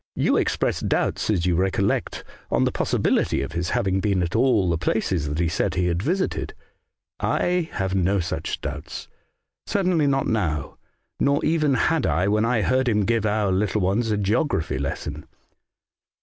You ex pressed doubts, as you recollect, on the possibility of his having been at all the places that he said he had visited* I have no such doubts ; certainly not now, nor even had I when I heard him give our little ones a geography lesson.